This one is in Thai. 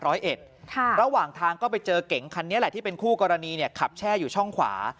ระหว่างทางก็ไปเจอเก๋งคันนี้แหละที่เป็นคู่กรณีเนี่ยขับแช่อยู่ช่องขวา